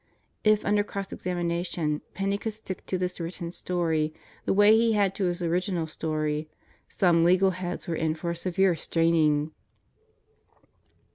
If under cross examination, Penney could stick to this written story the way he had to his original story, some legal heads were in for a severe straining.